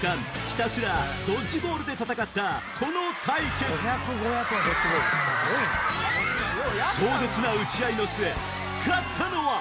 ひたすらドッジボールで戦ったこの対決壮絶な打ち合いの末勝ったのは？